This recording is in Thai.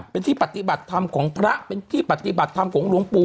เป็นที่ปฏิบัติธรรมของพระเป็นที่ปฏิบัติธรรมของหลวงปู่